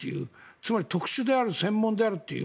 つまり、特殊である専門であるという。